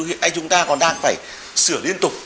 hiện nay chúng ta còn đang phải sửa liên tục